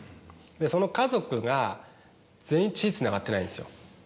その家族が全員血つながってないんですよ。